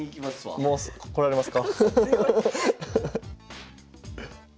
もうこられますか？